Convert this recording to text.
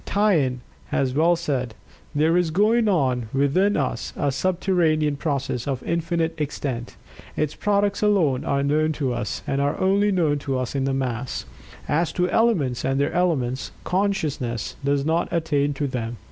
Taine has well said, "There is going on within us a subterranean process of infinite extent; its products alone are known to us, and are only known to us in the mass. As to elements, and their elements, consciousness does not attain to them.